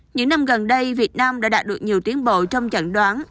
những năm gần đây việt nam đã đạt được nhiều tiến bộ trong chẩn đoán